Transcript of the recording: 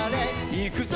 「いくぞ！